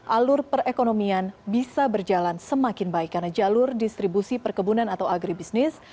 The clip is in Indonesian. alur perekonomian bisa berjalan semakin baik karena jalur distribusi perkebunan atau agribisnis